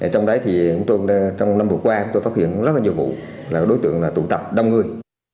trong năm vừa qua tôi phát hiện rất nhiều vụ là đối tượng tụ tập đông người